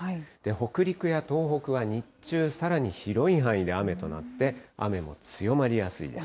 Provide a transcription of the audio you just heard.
北陸や東北は日中、さらに広い範囲で雨となって、雨が強まりやすいです。